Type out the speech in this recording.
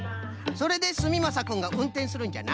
それですみまさくんがうんてんするんじゃな。